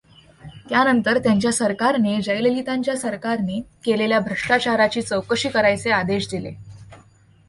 त्यानंतर त्यांच्या सरकारने जयललितांच्या सरकारने केलेल्या भ्रष्टाचाराची चौकशी करायचे आदेश दिले.